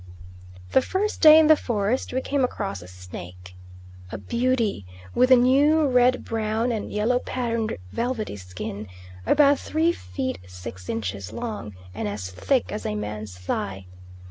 The first day in the forest we came across a snake a beauty with a new red brown and yellow patterned velvety skin, about three feet six inches long and as thick as a man's thigh.